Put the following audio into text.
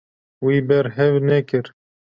Wî berhev nekir.